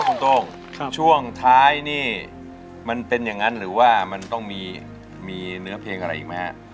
คุณโต้งช่วงท้ายนี่มันเป็นอย่างนั้นหรือว่ามันต้องมีเนื้อเพลงอะไรอีกไหมฮะ